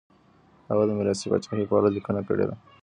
هغه د ميراثي پاچاهۍ په اړه ليکنې کړي دي.